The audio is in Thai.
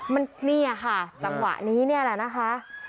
มันนี่ค่ะจังหวะนี้แหละนะคะ